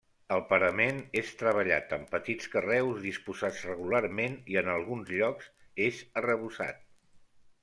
El parament és treballat amb petits carreus disposats regularment, i en alguns llocs és arrebossat.